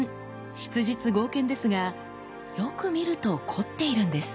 質実剛健ですがよく見ると凝っているんです。